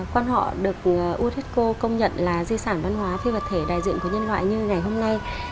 quan họ được unesco công nhận là di sản văn hóa phi vật thể đại diện của nhân loại như ngày hôm nay